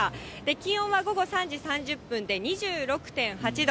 気温は午後３時３０分で２６．８度。